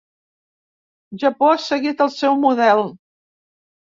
Japó ha seguit el seu model.